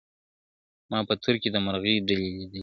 ما په تور کي د مرغۍ ډلي لیدلې,